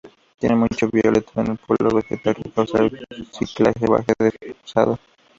Tienen mucho vitelo en el polo vegetal que causa el clivaje desplazado.